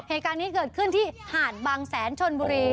เหตุการณ์นี้เกิดขึ้นที่หาดบางแสนชนบุรี